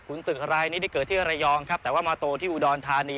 คุณศึกรายนี้ได้เกิดที่ระยองครับแต่ว่ามาโตที่อุดรธานี